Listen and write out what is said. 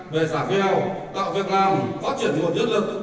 về giả veo tạo việt nam phát triển nguồn nhất lực